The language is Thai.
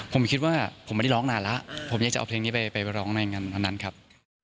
ผมคิดว่าผมไม่ได้ร้องนานแล้วผมยังจะเอาเพลงนี้ไปร้องในงานเท่านั้นครับ